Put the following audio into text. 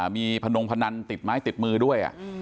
มีพนงพนันติดไม้ติดมือด้วย